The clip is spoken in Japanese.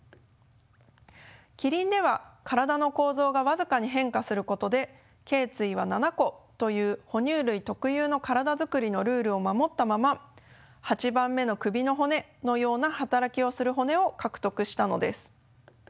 キリンでは体の構造が僅かに変化することでけい椎は７個という哺乳類特有の体づくりのルールを守ったまま８番目の首の骨のような働きをする骨を獲得したのです。